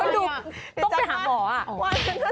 ต้องไปหาหมออะ